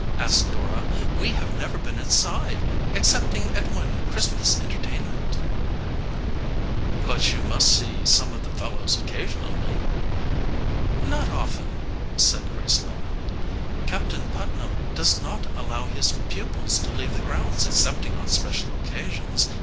asked Dora. "We have never been inside, excepting at one Christmas entertainment." "But you must see some of the fellows occasionally." "Not often," said Grace Laning. "Captain Putnam does not allow his pupils to leave the grounds excepting on special occasions.